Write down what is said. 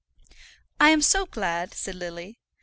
"I am so glad," said Lily.